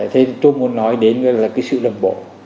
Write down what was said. thế tôi muốn nói đến là cái sự đồng bộ